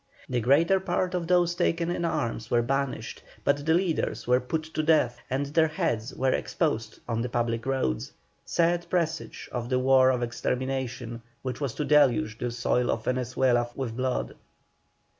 The greater part of those taken in arms were banished, but the leaders were put to death and their heads were exposed on the public roads; sad presage of the war of extermination which was to deluge the soil of Venezuela with blood.